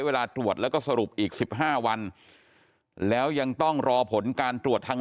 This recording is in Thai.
เวลาตรวจแล้วก็สรุปอีก๑๕วันแล้วยังต้องรอผลการตรวจทาง